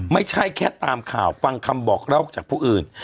ไม่ใช่แค่ตามข่าวฟังคำบอกเล่าจากผู้อื่น